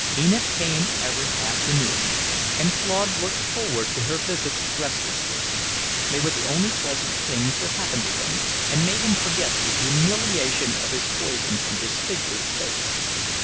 Enid came every afternoon, and Claude looked forward to her visits restlessly; they were the only pleasant things that happened to him, and made him forget the humiliation of his poisoned and disfigured face.